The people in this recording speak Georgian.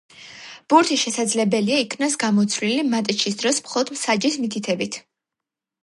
ბურთი შესაძლებელია იქნას გამოცვლილი მატჩის დროს მხოლოდ მსაჯის მითითებით.